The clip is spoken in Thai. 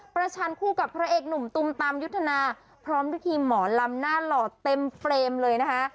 ชันคู่กับพระเอกหนุ่มตุมตามยุทธนาพร้อมพิธีหมอลำหน้าหล่อเต็มเฟรมเลยนะคะ